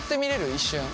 一瞬。